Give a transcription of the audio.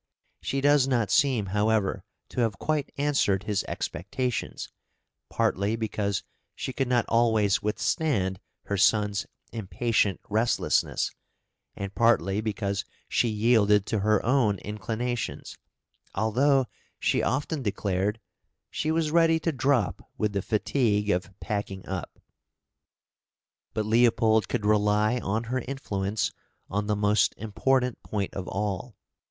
She does not seem, however, to have quite answered his expectations, partly because she could not always withstand her son's impatient restlessness, and partly because she yielded to her own inclinations, although she often declared "she was ready to drop with the fatigue of packing up." But Leopold could rely on her influence on the most important point of all.